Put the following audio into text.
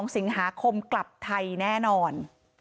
๒สิงหาคมกลับไทยแน่นอน